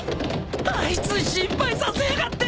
あいつ心配させやがって！